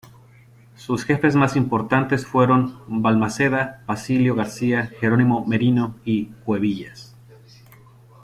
Sus jefes más importantes fueron Balmaseda, Basilio García, Jerónimo Merino y Cuevillas.